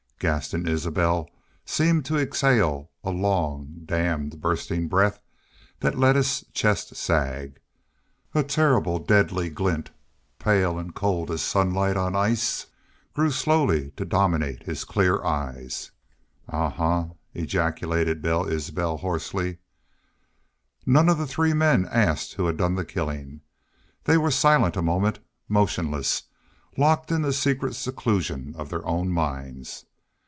Gaston Isbel seemed to exhale a long dammed, bursting breath that let his chest sag. A terrible deadly glint, pale and cold as sunlight on ice, grew slowly to dominate his clear eyes. "A huh!" ejaculated Bill Isbel, hoarsely. Not one of the three men asked who had done the killing. They were silent a moment, motionless, locked in the secret seclusion of their own minds.